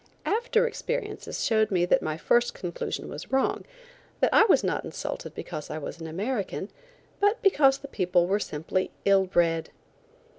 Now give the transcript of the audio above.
After experiences showed me that my first conclusion was wrong; that I was not insulted because I was an American, but because the people were simply ill bred.